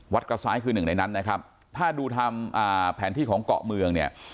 กระซ้ายคือหนึ่งในนั้นนะครับถ้าดูทำอ่าแผนที่ของเกาะเมืองเนี่ย